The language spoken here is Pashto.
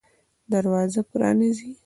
دروازه پرانیزئ